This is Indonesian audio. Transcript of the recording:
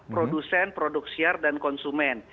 produsen produk siar dan konsumen